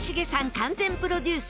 完全プロデュース